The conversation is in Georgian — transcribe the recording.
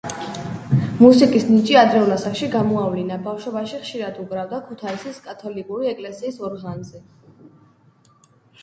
მუსიკის ნიჭი ადრეულ ასაკში გამოავლინა: ბავშვობაში ხშირად უკრავდა ქუთაისის კათოლიკური ეკლესიის ორღანზე.